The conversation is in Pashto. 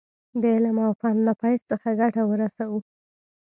د علم او فن له فیض څخه ګټه ورسوو.